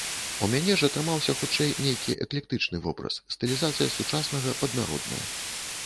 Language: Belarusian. У мяне ж атрымаўся хутчэй нейкі эклектычны вобраз, стылізацыя сучаснага пад народнае.